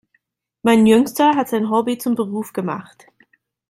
Mein Jüngster hat sein Hobby zum Beruf gemacht.